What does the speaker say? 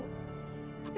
tapi kamu gak tahu bu